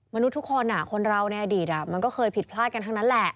มนุษย์ทุกคนคนเราในอดีตมันก็เคยผิดพลาดกันทั้งนั้นแหละ